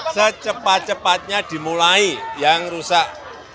secepat cepatnya dimulai yang rusak